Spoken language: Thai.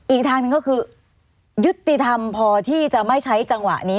อีกทางหนึ่งก็คือยุติธรรมพอที่จะไม่ใช้จังหวะนี้